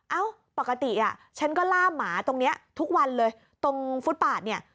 เอ้าปกติอ่ะฉันก็ล่ามหมาตรงนี้ทุกวันเลยตรงฟุตปาดเนี่ย